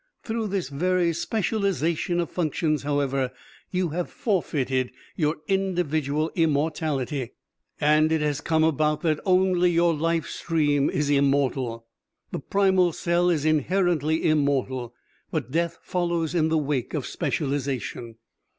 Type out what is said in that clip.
Through this very specialization of functions, however, you have forfeited your individual immortality, and it has come about that only your life stream is immortal. The primal cell is inherently immortal, but death follows in the wake of specialization.